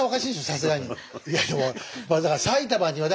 さすがに。